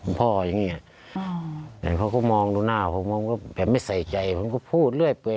ผมพ่อย่างเงี้ยเห็นเขาก็มองดูหน้าผมโมงว่าไม่ใส่ใจเห็นเขาก็พูดเล่อยไป